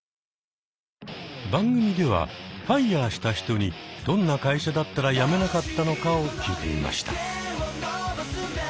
番組ではＦＩＲＥした人にどんな会社だったら辞めなかったのかを聞いてみました。